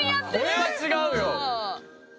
これは違うよ！